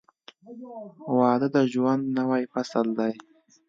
• واده د ژوند نوی فصل دی.